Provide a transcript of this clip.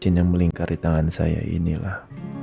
sin yang melingkari tangan saya inilah